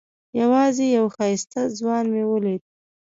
یوازې یو ښایسته ځوان مې ولید.